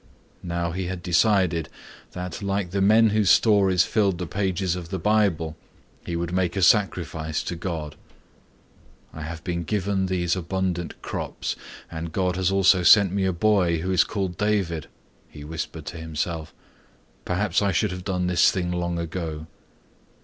Now he had decided that like the men whose stories filled the pages of the Bible, he would make a sacrifice to God. "I have been given these abundant crops and God has also sent me a boy who is called David," he whispered to himself. "Perhaps I should have done this thing long ago."